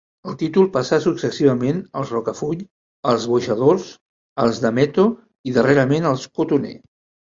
El títol passà successivament als Rocafull, als Boixadors, als Dameto i, darrerament, als Cotoner.